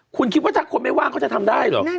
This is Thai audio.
คุณคิดว่าถ้าคนไม่ว่างเขาจะทำได้เหรอ